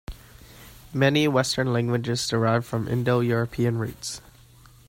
Many Western languages derive from Indo-European roots